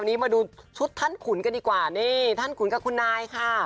วันนี้มาดูชุดท่านขุนกันดีกว่านี่ท่านขุนกับคุณนายค่ะ